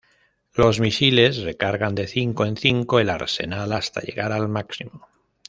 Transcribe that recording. Los misiles recargan de cinco en cinco el arsenal hasta llegar al máximo.